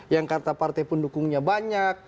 yang kata partai pendukungnya banyak